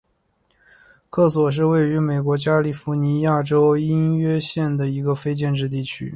科索是位于美国加利福尼亚州因约县的一个非建制地区。